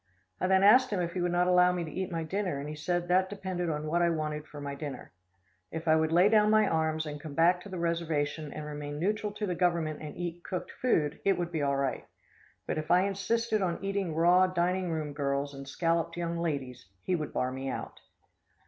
I then asked him if he would not allow me to eat my dinner and he said that depended on what I wanted for my dinner. If I would lay down my arms and come back to the reservation and remain neutral to the Government and eat cooked food, it would be all right, but if I insisted on eating raw dining room girls and scalloped young ladies, he would bar me out.